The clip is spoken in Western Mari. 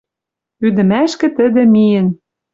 Ӱдӹмӓшкӹ тӹдӹ миэн